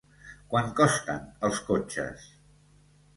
Quant costen els cotxes?